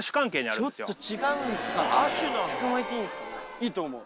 いいと思う。